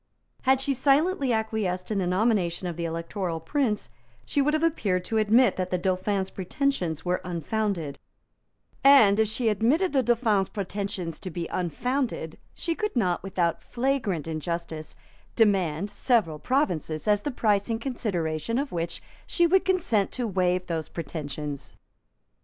Had she silently acquiesced in the nomination of the Electoral Prince, she would have appeared to admit that the Dauphin's pretensions were unfounded; and, if she admitted the Dauphin's pretensions to be unfounded, she could not, without flagrant injustice, demand several provinces as the price in consideration of which she would consent to waive those pretensions.